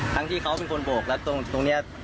ทั้งที่เค้าเป็นคนบกแล้วตรงตรงเนี้ย